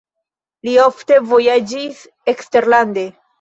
Li ofte vojaĝis eksterlande.